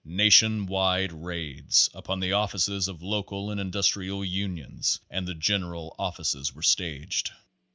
Nation wide raids upon the offices of local and indus trial unions and the general offices were staged.